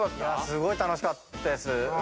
すごい楽しかったです。